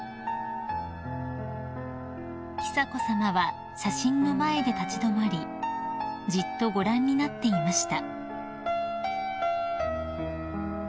［久子さまは写真の前で立ち止まりじっとご覧になっていました］